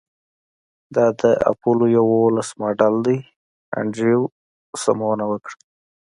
دا د اپولو یوولس ماډل دی انډریو سمونه وکړه